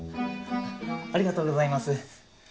ありがとうございます。